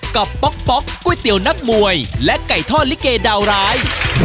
กับป๊อกป๊อกก๋วยเตี๋ยวนัดมวยและไก่ท่อลิเกย์ดาวร้าย